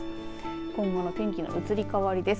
今後の天気の移り変わりです。